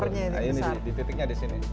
nah ini di titiknya di sini